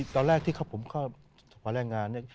ตอนแรกที่ผมเข้ามาแรงงานเนี่ย